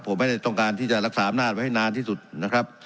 ผมไม่ได้ต้องการที่จะรักษาอำนาจไว้ให้นานที่สุดนะครับ